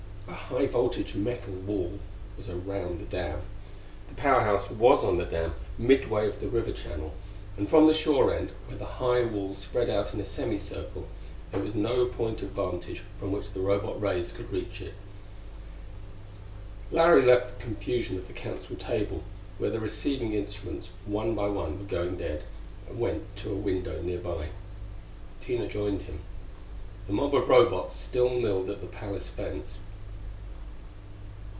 A high voltage metal wall was around the dam. The Power House was on the dam, midway of the river channel; and from the shore end where the high wall spread out in a semi circle there was no point of vantage from which the Robot rays could reach it. Larry left the confusion of the Council table, where the receiving instruments one by one were going dead, and went to a window nearby. Tina joined him. The mob of Robots still milled at the palace fence.